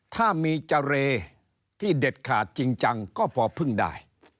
ถ้ามีเจรที่เด็ดขาดจริงจังก็พอพึ่งได้